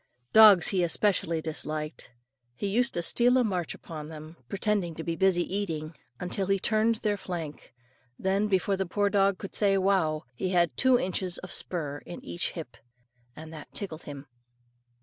Dogs he especially disliked. He used to steal a march upon them, pretend to be busy eating, till he turned their flank, then, before the poor dog could say "wow," he had two inches of spur in each hip; and that tickled him.